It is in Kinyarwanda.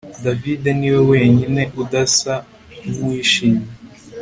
David niwe wenyine udasa nkuwishimye